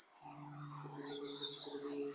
আর দুইটা কাজ বাকি, দুলাভাই এরপরেই হয়ে যাবে।